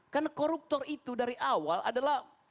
karena koruptor itu dari awal adalah